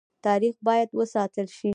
تاریخ باید وساتل شي